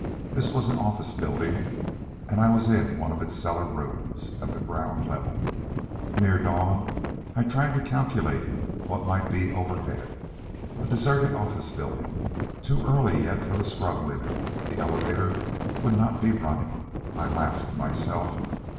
This was an office building, and I was in one of its cellar rooms, at the ground level. Near dawn? I tried to calculate what might be overhead. A deserted office building. Too early yet for the scrub women. The elevator would not be running. I laughed to myself.